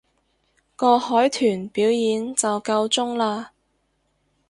個海豚表演就夠鐘喇